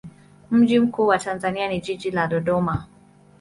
Mji mkuu wa Tanzania ni jiji la Dodoma.